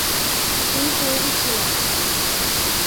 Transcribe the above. তুমি তৈরি ছিলে না।